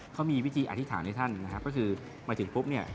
เขามีวิธีอธิษฐานให้ท่านนะครับก็คือมาถึงปุ๊บเนี่ย